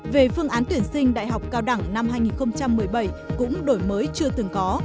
về phương án tuyển sinh đại học cao đẳng năm hai nghìn một mươi bảy cũng đổi mới chưa từng có